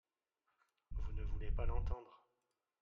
Vous ne voulez pas l’entendre.